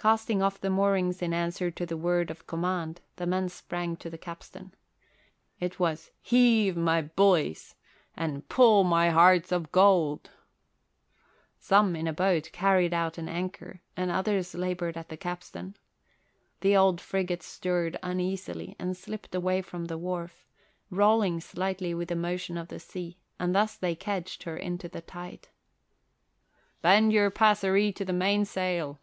Casting off the moorings in answer to the word of command, the men sprang to the capstan. It was "Heave, my bullies!" and "Pull, my hearts of gold!" Some, in a boat, carried out an anchor and others laboured at the capstan. The old frigate stirred uneasily and slipped away from the wharf, rolling slightly with the motion of the sea, and thus they kedged her into the tide. "Bend your passeree to the mainsail!"